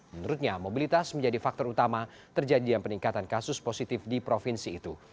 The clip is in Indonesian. menurutnya mobilitas menjadi faktor utama terjadinya peningkatan kasus positif di provinsi itu